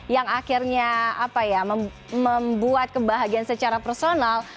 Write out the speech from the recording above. yang akhirnya membuat kebahagiaan secara personal